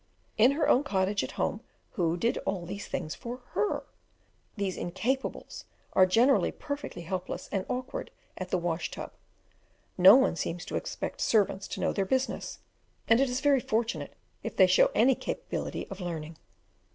In her own cottage at home, who did all these things for her? These incapables are generally perfectly helpless and awkward at the wash tub; no one seems to expect servants to know their business, and it is very fortunate if they show any capability of learning.